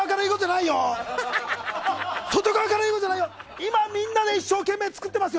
今みんなで一生懸命作ってますよ！